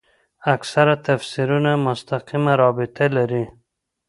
اکثره تفسیرونه مستقیمه رابطه لري.